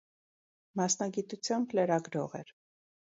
Մասնագիտությամբ լրագրող էր։